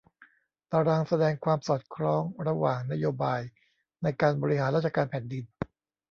ตารางแสดงความสอดคล้องระหว่างนโยบายในการบริหารราชการแผ่นดิน